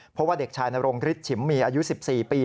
เพราะว่าเด็กชายนรงฤทธิฉิมมีอายุ๑๔ปี